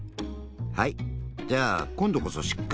はいじゃあこんどこそしっかり。